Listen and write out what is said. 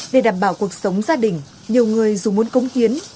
để đảm bảo cuộc sống gia đình nhiều người dù muốn cống hiến